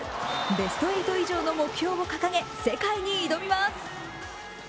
ベスト８以上の目標を掲げ、世界に挑みます。